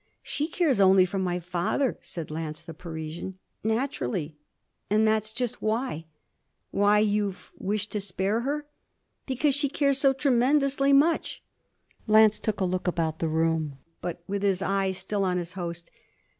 'She cares only for my father,' said Lance the Parisian. 'Naturally and that's just why.' 'Why you've wished to spare her?' 'Because she cares so tremendously much.' Lance took a turn about the room, but with his eyes still on his host.